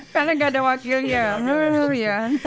karena gak ada wakilnya